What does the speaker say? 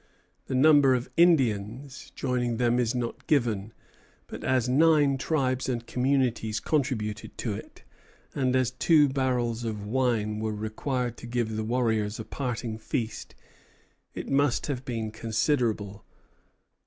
The number of Indians joining them is not given; but as nine tribes and communities contributed to it, and as two barrels of wine were required to give the warriors a parting feast, it must have been considerable.